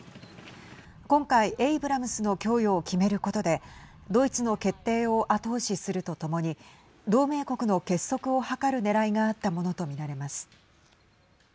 今回エイブラムスの供与を決めることでドイツの決定を後押しするとともに同盟国の結束を図るねらいがあったものと見られます。